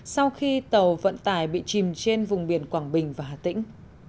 sau khi tàu vận tải bị chìm trên vùng biển quảng bình và hà tĩnh